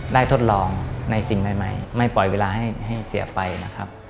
ได้ทดลองในสิ่งใหม่